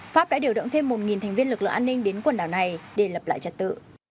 pháp đã điều động thêm một thành viên lực lượng an ninh đến quần đảo này để lập lại trật tự